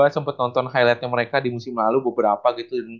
gue sempet nonton highlight nya mereka di musim lalu beberapa gitu